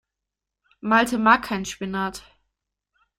Malte mag keinen Spinat.